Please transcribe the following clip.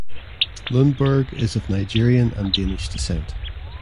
Lundberg is of Nigerian and Danish descent.